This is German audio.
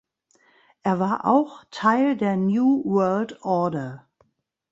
Er war auch Teil der new World order.